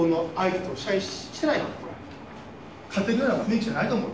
勝てるような雰囲気じゃないと思う。